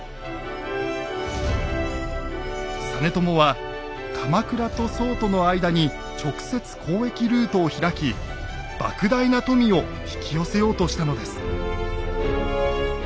実朝は鎌倉と宋との間に直接交易ルートを開きばく大な富を引き寄せようとしたのです。